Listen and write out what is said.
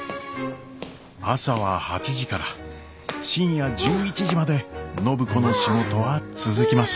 朝は８時から深夜１１時まで暢子の仕事は続きます。